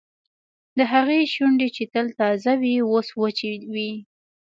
د هغې شونډې چې تل تازه وې اوس وچې وې